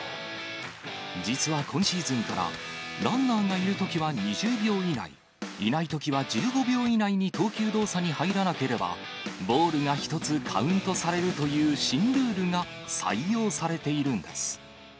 実は今シーズンから、ランナーがいるときは２０秒以内、いないときは１５秒以内に投球動作に入らなければ、ボールが１つカウントされるという新ルールが採用されているんです。